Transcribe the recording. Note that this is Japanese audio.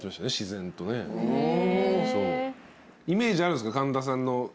イメージあるんすか？